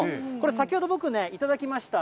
先ほど僕ね、頂きました。